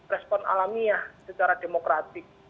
respon alamiah secara demokratik